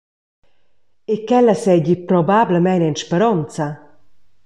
E ch’ella seigi probablamein en speronza?